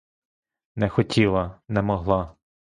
Не хотіла — не могла.